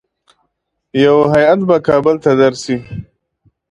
یو هیات به کابل ته درسي.